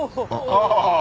ああ。